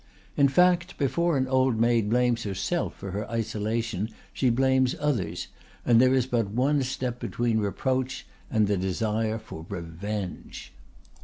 In fact, before an old maid blames herself for her isolation she blames others, and there is but one step between reproach and the desire for revenge.